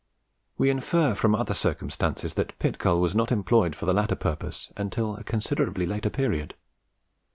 We infer from other circumstances that pit coal was not employed for the latter purpose until a considerably later period.